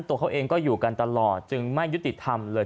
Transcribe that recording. ตัวเขาเองก็อยู่กันตลอดจึงไม่ยุติธรรมเลย